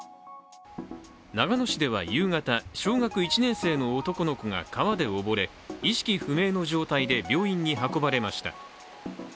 長野市では夕方、小学１年生の男の子が川で溺れ意識不明の状態で病院に運ばれました。